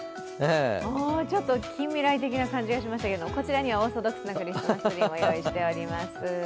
ちょっと近未来的な感じがしましたけどこちらにはオーソドックスなクリスマスツリーも用意しています。